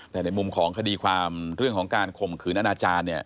แต่ในมุมของคดีความเรื่องของการข่มขืนอนาจารย์เนี่ย